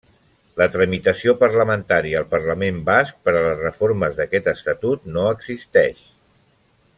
La tramitació parlamentària al Parlament basc per a les reformes d'aquest estatut no existeix.